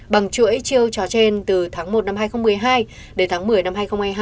bằng chuỗi chiêu trò trên từ tháng một năm hai nghìn một mươi hai đến tháng một mươi năm hai nghìn hai mươi hai